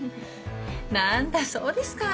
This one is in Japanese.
何だそうですか。